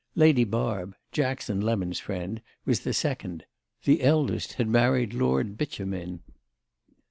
Lady Barb, Jackson Lemon's friend, was the second; the eldest had married Lord Beauchemin.